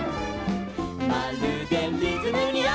「まるでリズムにあわせて」